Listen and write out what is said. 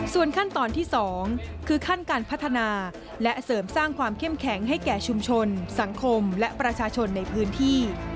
ส่วนขั้นตอนที่๒คือขั้นการพัฒนาและเสริมสร้างความเข้มแข็งให้แก่ชุมชนสังคมและประชาชนในพื้นที่